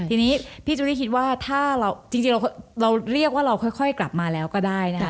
ทีนี้พี่จูรี่คิดว่าถ้าเราจริงเราเรียกว่าเราค่อยกลับมาแล้วก็ได้นะคะ